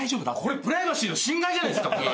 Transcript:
これプライバシーの侵害じゃないですか。